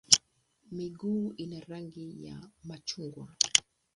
Miguu ina rangi ya machungwa.